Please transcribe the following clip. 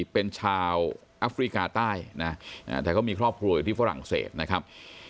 เป็นชาวอัฟริกาใต้นะแต่ก็มีครอบครัวอยู่ที่ฝรั่งเศสนะครับ